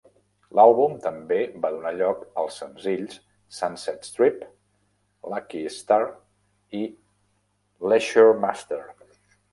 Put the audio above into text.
L'àlbum també va donar lloc als senzills "Sunset Strip", "Lucky Star" i "Leisuremaster".